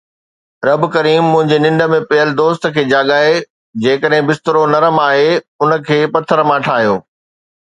رب ڪريم منهنجي ننڊ ۾ پيل دوست کي جاڳائي. جيڪڏهن بسترو نرم آهي، ان کي پٿر مان ٺاهيو